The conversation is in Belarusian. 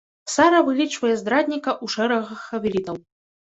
Сара вылічвае здрадніка ў шэрагах авелітаў.